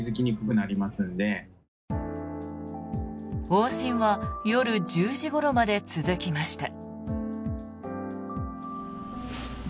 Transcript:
往診は夜１０時ごろまで続きました。